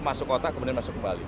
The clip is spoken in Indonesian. masuk kota kemudian masuk kembali